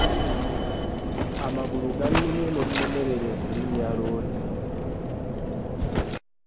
Amagulu gannumye ne nnemererwa okulinnya loole.